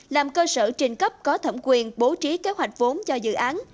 làm cơ sở trình cấp có thẩm quyền bố trí kế hoạch vốn cho dự án